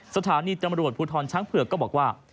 สถานีตำรวจภูทรช้างเผือกก็บอกว่า